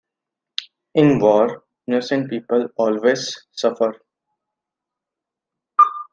In war, innocent people always suffer.